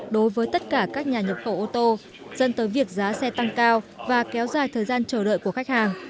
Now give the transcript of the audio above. đối với tất cả các nhà nhập khẩu ô tô dẫn tới việc giá xe tăng cao và kéo dài thời gian chờ đợi của khách hàng